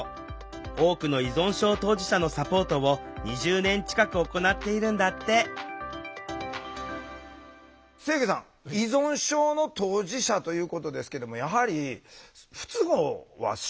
多くの依存症当事者のサポートを２０年近く行っているんだって清家さん依存症の当事者ということですけどもやはり不都合は生じたりしてるんですか？